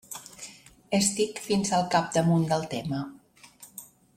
Estic fins al capdamunt del tema.